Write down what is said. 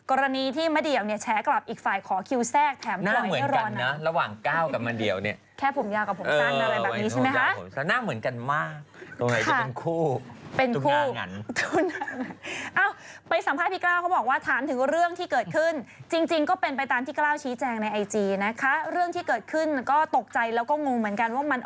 โอ้ยเดี๋ยวมันยากตั้งแต่ที่จะต้องมานั่งคิดอะไรชื่ออะไรนะ